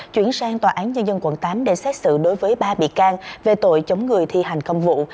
chuyển sang tòa án nhân dân quận tám để xét xử đối với ba bị can về tội chống người thi hành công vụ